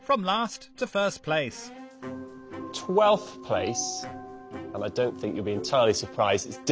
はい。